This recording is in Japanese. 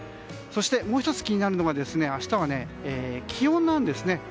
そして、もう１つ気になるのが明日は気温なんですね。